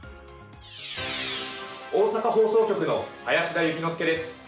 大阪放送局の林田幸之介です。